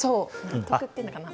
納得っていうのかな。